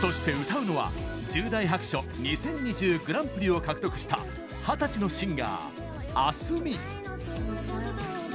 そして、歌うのは十代白書２０２０グランプリを獲得した二十歳のシンガーａｓｍｉ。